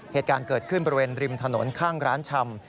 เหตุการณ์เกิดขึ้นบริเวณริมถนนข้างร้านชำ